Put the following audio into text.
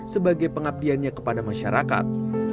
sebagai pengabdiannya kepada masyarakat